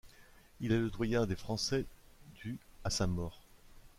Il est le doyen des Français du à sa mort.